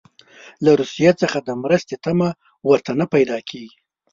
له روسیې څخه د مرستې تمه ورته نه پیدا کیږي.